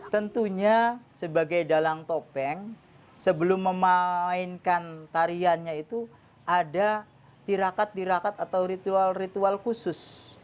tentunya sebagai dalang topeng sebelum memainkan tariannya itu ada tirakat tirakat atau ritual ritual khusus